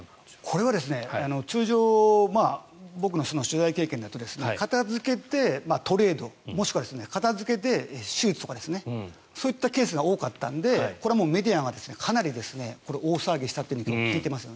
これは通常僕の取材経験だと片付けてトレードもしくは片付けて手術とかそういったケースが多かったのでこれはメディアがかなり大騒ぎしたと聞いています。